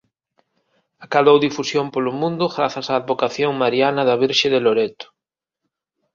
Acadou difusión polo mundo grazas á advocación mariana da Virxe de Loreto.